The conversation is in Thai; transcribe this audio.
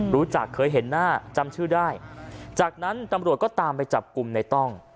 รู้จักเคยเห็นหน้าจำชื่อได้จากนั้นตำรวจก็ตามไปจับกลุ่มในต้อง